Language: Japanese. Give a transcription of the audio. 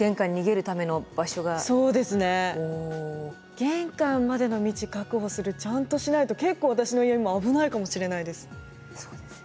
玄関までの道確保するちゃんとしないと結構私の家も危ないかもしれないです。